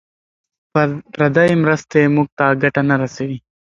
پردۍ مرستې موږ ته ګټه نه رسوي.